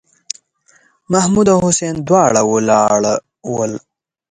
محمـود او حسين دواړه ولاړ ول.